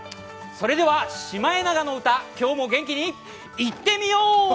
それでは「シマエナガの歌」、今日も元気にいってみよう。